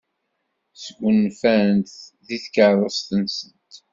Sgunfant deg tkeṛṛust-nsent.